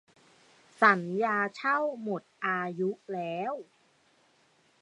สัญญาเช่าหมดอายุแล้ว